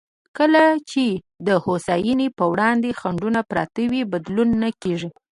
کله چې د هوساینې پر وړاندې خنډونه پراته وي، بدلون نه کېږي.